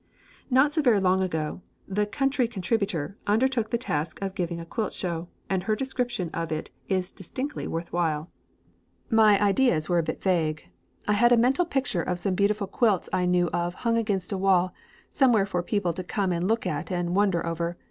Not so very long ago "The Country Contributor" undertook the task of giving a quilt show, and her description of it is distinctly worth while: "My ideas were a bit vague. I had a mental picture of some beautiful quilts I knew of hung against a wall somewhere for people to come and look at and wonder over.